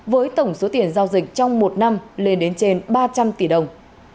với tổng số tiền giao dịch trong một năm lên đến trên ba trăm linh tỷ đồng